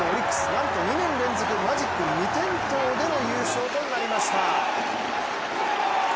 なんと２年連続マジック未点灯での優勝となりました。